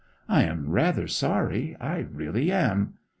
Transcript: I am rather sorry I really am!'